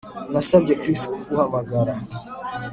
Nasabye Chris kuguhamagara